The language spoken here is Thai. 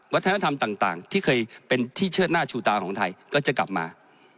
วัฒนธรรมต่างที่เคยเป็นที่เชื้อหน้าชูตาของไทยก็จะกลับมา